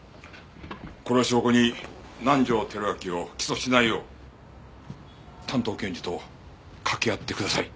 これを証拠に南条輝明を起訴しないよう担当検事と掛け合ってください。